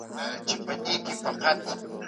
ایا د چای پر ځای د اوبو چښل غوره دي؟